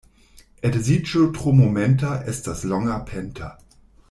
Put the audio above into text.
Edziĝo tro momenta estas longapenta.